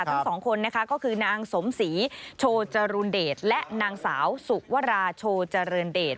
ทั้งสองคนนะคะก็คือนางสมศรีโชจรูนเดชและนางสาวสุวราชโชเจริญเดช